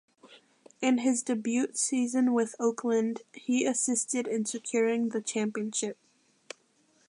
In his debut season with Oakland he assisted in securing the championship.